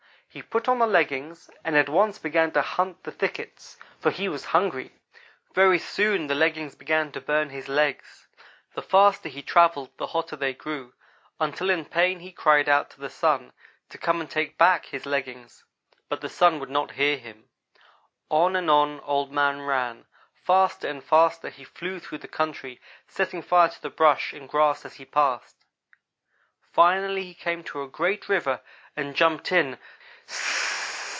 He put on the leggings and at once began to hunt the thickets, for he was hungry. Very soon the leggings began to burn his legs. The faster he travelled the hotter they grew, until in pain he cried out to the Sun to come and take back his leggings; but the Sun would not hear him. On and on Old man ran. Faster and faster he flew through the country, setting fire to the brush and grass as he passed. Finally he came to a great river, and jumped in.